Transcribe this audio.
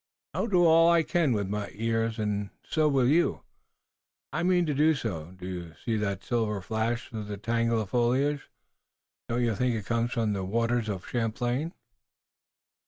I will do all I can with my ears and so will you." "I mean to do so. Do you see that silver flash through the tangle of foliage? Don't you think it comes from the waters of Champlain?"